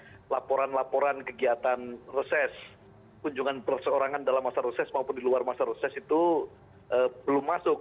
karena laporan laporan kegiatan reses kunjungan perseorangan dalam masa reses maupun di luar masa reses itu belum masuk